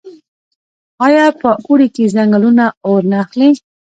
آیا په اوړي کې ځنګلونه اور نه اخلي؟